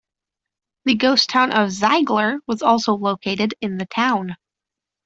The ghost town of Ziegler was also located in the town.